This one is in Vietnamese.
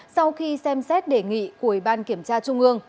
sau khi xem xét đề nghị của ủy ban kiểm tra trung ương